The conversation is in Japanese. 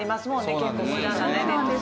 結構無駄なね